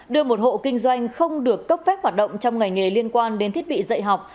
đưa một hộ kinh doanh không được cấp phép hoạt động trong ngành nghề liên quan đến thiết bị dạy học